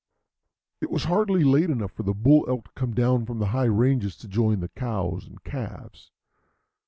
It was hardly late enough for the bull elk to come down from the high ranges to join the cows and calves.